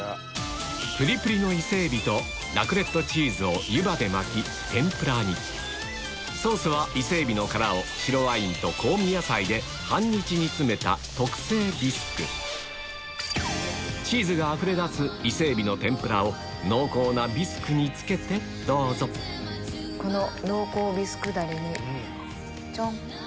プリプリの伊勢海老とラクレットチーズを湯葉で巻き天ぷらにソースは半日煮つめた特製ビスクチーズがあふれ出す伊勢海老の天ぷらを濃厚なビスクにつけてどうぞこの濃厚ビスクダレにちょん。